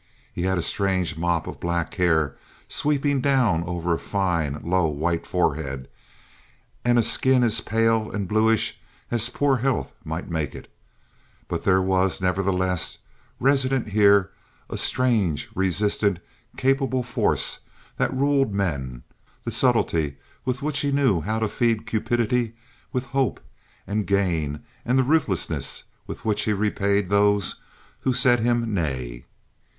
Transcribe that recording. He had a strange mop of black hair sweeping down over a fine, low, white forehead, and a skin as pale and bluish as poor health might make it; but there was, nevertheless, resident here a strange, resistant, capable force that ruled men—the subtlety with which he knew how to feed cupidity with hope and gain and the ruthlessness with which he repaid those who said him nay.